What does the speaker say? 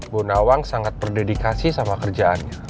bu nawang sangat berdedikasi sama kerjaannya